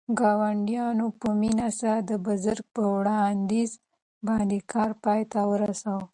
ګاونډیانو په مینه سره د بزګر په وړاندیز باندې کار پای ته ورساوه.